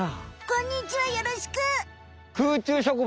こんにちはよろしく！